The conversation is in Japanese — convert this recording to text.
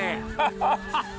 ハハハハ！